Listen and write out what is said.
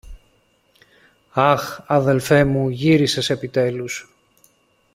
Αχ, αδελφέ μου, γύρισες επιτέλους!